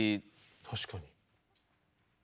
確かに。